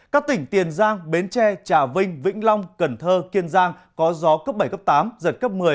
các tỉnh tiền giang bến tre trà vinh vĩnh long cần thơ kiên giang có gió cấp bảy cấp tám giật cấp một mươi